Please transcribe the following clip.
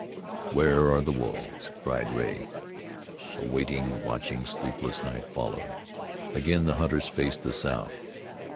where are the wolves?" cried Rea. A waiting, watching, sleepless night followed. Again the hunters faced the south.